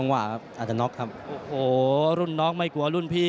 ขณะที่ซ้ายมือผมดาวรุ่งผีภูมิใต้นะครับ